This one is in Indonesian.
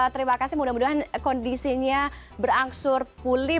terima kasih mudah mudahan kondisinya berangsur pulih